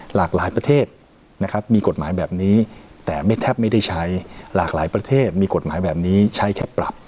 หลากหลายประเทศนะครับมีกฎหมายแบบนี้แต่ไม่แทบไม่ได้ใช้หลากหลายประเทศมีกฎหมายแบบนี้ใช้แค่ปรับ